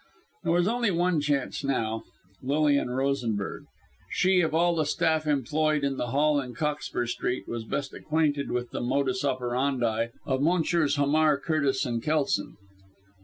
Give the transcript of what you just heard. There was only one chance now Lilian Rosenberg. She, of all the staff employed in the Hall in Cockspur Street, was best acquainted with the modus operandi of Messrs. Hamar, Curtis and Kelson.